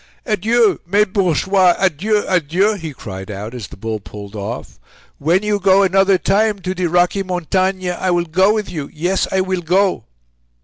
"Adieu! mes bourgeois; adieu! adieu!" he cried out as the boat pulled off; "when you go another time to de Rocky Montagnes I will go with you; yes, I will go!"